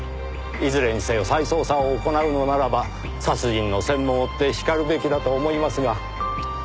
いずれにせよ再捜査を行うのならば殺人の線も追ってしかるべきだと思いますが。